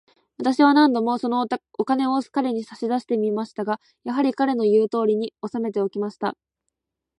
私は何度も、そのお金を彼に差し出してみましたが、やはり、彼の言うとおりに、おさめておきました。